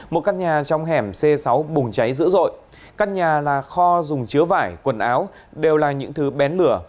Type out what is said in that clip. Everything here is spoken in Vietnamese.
một căn nhà trong hẻm c sáu bùng cháy dữ dội căn nhà là kho dùng chứa vải quần áo đều là những thứ bén lửa